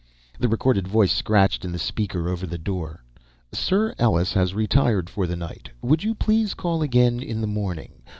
The recorded voice scratched in the speaker over the door. "Sire Ellus has retired for the night, would you please call again in the morning.